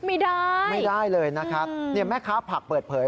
ไม่ได้ไม่ได้เลยนะครับเนี่ยแม่ค้าผักเปิดเผย